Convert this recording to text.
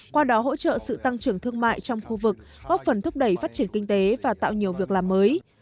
qua đó hỗ trợ sự tăng trưởng thương mại trong khu vực góp phần thúc đẩy phát triển kinh tế và tạo nhiều việc làm mới